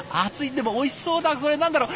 でもおいしそうだそれ何だろう？